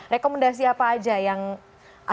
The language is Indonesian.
rekomendasi apa aja yang akhirnya harus diberikan